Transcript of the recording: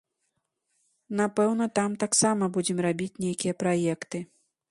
Напэўна, там таксама будзем рабіць нейкія праекты.